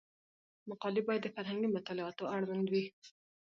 مقالې باید د فرهنګي مطالعاتو اړوند وي.